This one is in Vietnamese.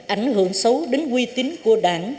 ảnh hưởng xấu đến quy tín của đảng